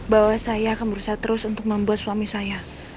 bahwa saya akan berusaha terus untuk membuat suami saya